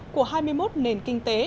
của hai mươi một nền kinh tế